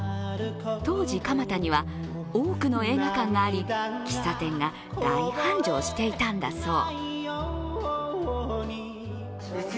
当時、蒲田には多くの映画館があり喫茶店が大繁盛していたんだそう。